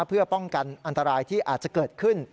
เพื่อป้องกันอันตรายที่อาจจะเกิดขึ้น